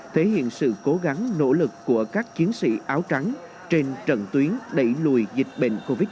thể hiện sự cố gắng nỗ lực của các chiến sĩ áo trắng trên trận tuyến đẩy lùi dịch bệnh covid một mươi chín